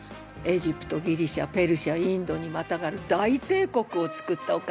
エジプトギリシアペルシャインドにまたがる大帝国をつくったお方。